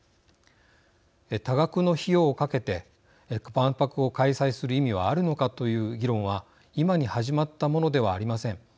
多額の費用をかけて万博を開催する意味はあるのかという議論は今に始まったものではありません。